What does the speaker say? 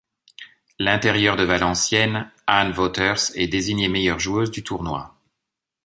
L'intérieure de Valenciennes, Ann Wauters est désignée meilleure joueuse du Tournoi.